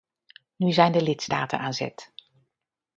Nu zijn de lidstaten aan zet.